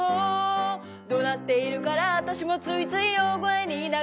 「怒鳴っているから私もついつい大声になる」